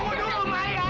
pasangan makan di autour